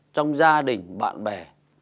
trong gia đình bạn bè